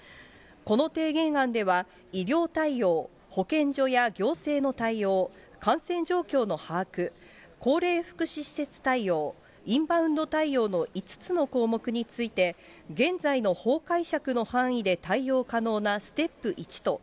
この提言案では、医療対応、保健所や行政の対応、感染状況の把握、高齢福祉施設対応、インバウンド対応の５つの項目について、現在の法解釈の範囲で対応可能なステップ１と、